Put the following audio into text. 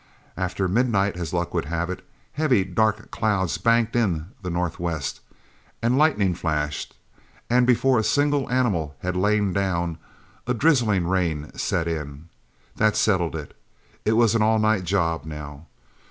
After midnight, as luck would have it, heavy dark clouds banked in the northwest, and lightning flashed, and before a single animal had lain down, a drizzling rain set in. That settled it; it was an all night job now.